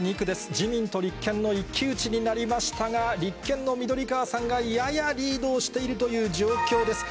自民と立憲の一騎打ちになりましたが、立憲の緑川さんがややリードしているという状況です。